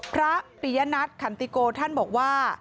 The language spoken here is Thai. พระปิยนัทขันติโกท่านบอกว่า